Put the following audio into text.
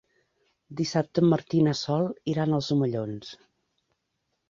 Dissabte en Martí i na Sol iran als Omellons.